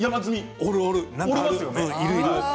おる、おる。